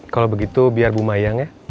kalau begitu biar bu mayang ya